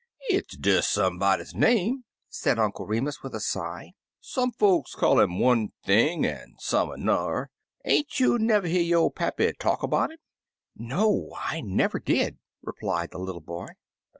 "It's des Somebody's name," said Uncle Remus, with a sigh. "Some folks call 'im one thing an' some an'er. Ain't yoii never hear yo' pappy talk 'bout 'im?" 29 Uncle Remus Returns "No, I never did/' repKed the little boy.